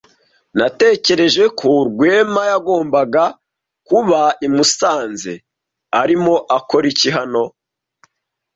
Natekereje ko Rwema yagombaga kuba i Musanze. Arimo akora iki hano?